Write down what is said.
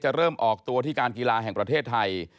เริ่มออกตัวที่การกีฬาแห่งประเทศไทย